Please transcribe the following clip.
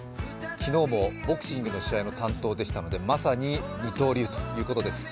昨日もボクシングの試合の担当でしたのでまさに二刀流ということです。